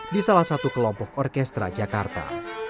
di salah satu kelompok orkestra jakarta